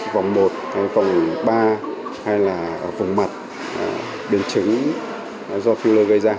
vòng một hay vòng ba hay là vòng mặt biến chứng do filler gây ra